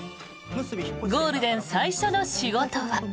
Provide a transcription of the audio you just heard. ゴールデン最初の仕事は。